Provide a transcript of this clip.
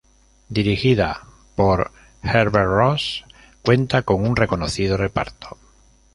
Dirigida por Herbert Ross, cuenta con un reconocido reparto.